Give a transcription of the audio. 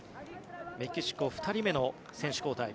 メキシコ２人目の選手交代。